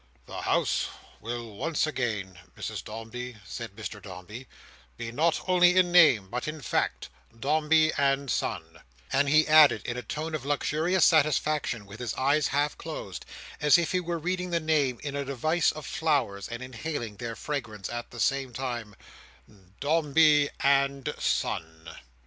"The House will once again, Mrs Dombey," said Mr Dombey, "be not only in name but in fact Dombey and Son;" and he added, in a tone of luxurious satisfaction, with his eyes half closed as if he were reading the name in a device of flowers, and inhaling their fragrance at the same time; "Dom bey and Son!"